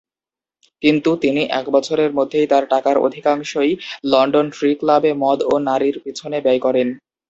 কিন্তু তিনি এক বছরের মধ্যেই তার টাকার অধিকাংশই লন্ডন ট্রি ক্লাবে মদ ও নারীর পিছনে ব্যয় করেন।